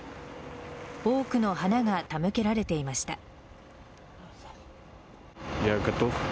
多くの花が手向けられていました。